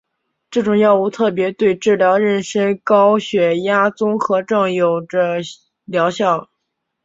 这种药物特别对治疗妊娠高血压综合征有着疗效。